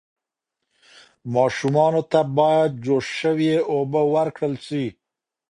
ماشومانو ته باید جوش شوې اوبه ورکړل شي.